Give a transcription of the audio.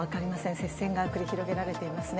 接戦が繰り広げられていますね。